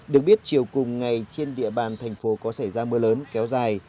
được biết chiều cùng ngày trên địa bàn thành phố có xảy ra mưa lớn kéo dài